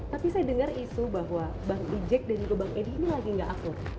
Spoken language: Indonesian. tapi saya dengar isu bahwa bang ejek dan juga bang edi ini lagi nggak akur